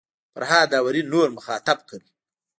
فرهاد داوري نور مخاطب کړل.